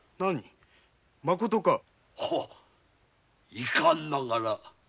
まことかはい遺憾ながら。